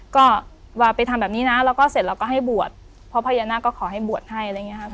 ก็ว่าไปทำแบบนี้นะแล้วก็เสร็จเราก็ให้บวชเพราะพญานาคก็ขอให้บวชให้อะไรอย่างนี้ครับ